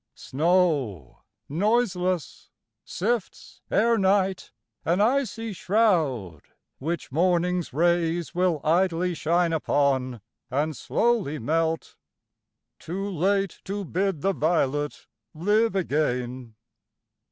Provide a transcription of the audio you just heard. Snow noiseless sifts Ere night, an icy shroud, which morning's rays Willidly shine upon and slowly melt, Too late to bid the violet live again.